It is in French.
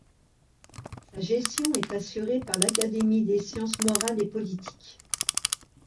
Sa gestion est assurée par l'Académie des sciences morales et politiques.